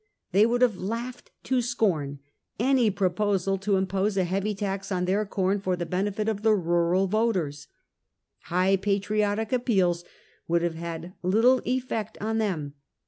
They would have laughed to scorn any proposal to impose a heavy tax on their corn for the benefit of the rural voters* High patriotic appeals would have had little effect on them.